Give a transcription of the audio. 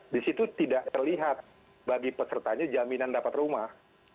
di situ tidak terlihat bagi pesertanya jaminan dapat rumah